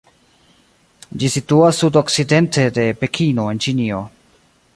Ĝi situas sud-okcidente de Pekino en Ĉinio.